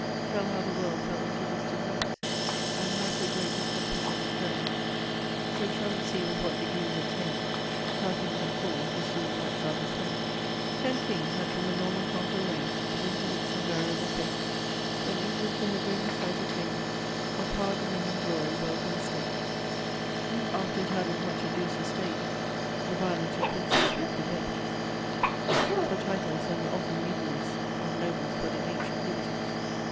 Tell how the world fell into this disease; And how so great distemperature did grow; So shall we see with what degrees it came; How things at full do soon wax out of frame." "Ten kings had from the Norman Conqu'ror reign'd With intermix'd and variable fate, When England to her greatest height attain'd Of power, dominion, glory, wealth, and state; After it had with much ado sustain'd The violence of princes, with debate For titles and the often mutinies Of nobles for their ancient liberties."